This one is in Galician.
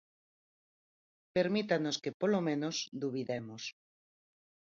Permítanos que, polo menos, dubidemos.